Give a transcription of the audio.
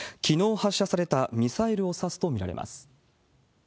きのう発射されたミサイルを指すと見られます。